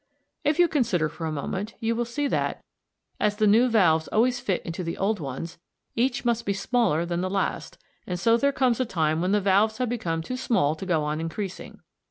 If you consider for a moment, you will see that, as the new valves always fit into the old ones, each must be smaller than the last, and so there comes a time when the valves have become too small to go on increasing.